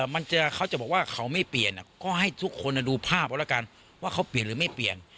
มันจะเขาจะบอกว่าเขาไม่เปลี่ยนก็ให้ทุกคนดูภาพเอาละกันว่าเขาเปลี่ยนหรือไม่เปลี่ยน